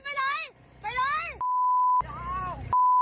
เดี๋ยวถ่ายท่านอยู่